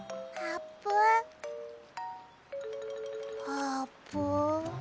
あーぷん。